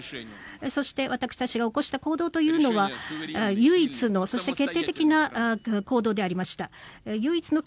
そして、私たちが起こした行動というのは唯一のそして決定的な行動でありました。